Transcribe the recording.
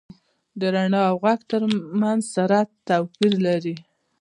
• د رڼا او ږغ تر منځ سرعت توپیر لري.